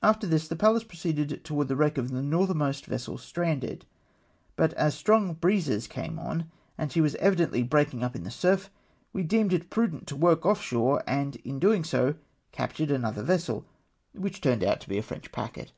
After this the Pallas proceeded towards the wreck of the northermost vessel stranded, but as strong breezes came on, and she was evidently breakmg up in the surf, we deemed it prudent to work off shore, and in so doing captured another vessel, which turned out to be a French packet.